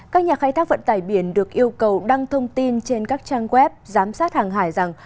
các nhà khai thác vận tải biển được yêu cầu đăng thông tin trên các trang web giám sát hàng hải rằng